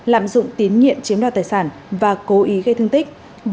lạm dụng tín nhiệm chiếm đoạt tài sản và cố ý gây thương tích